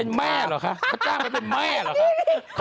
เป็นแม่เหรอคะเขาจ้างไปเป็นแม่เหรอคะ